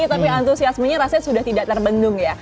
tapi antusiasmenya rasanya sudah tidak terbendung ya